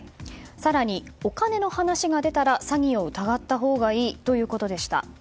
更に、お金の話が出たら詐欺を疑ったほうがいいということでした。